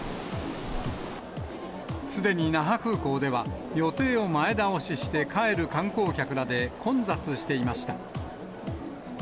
すでに那覇空港では、予定を前倒しして帰る観光客らで混雑していました。